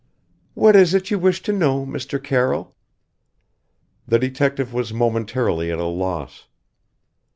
"What is it you wish to know, Mr. Carroll?" The detective was momentarily at a loss.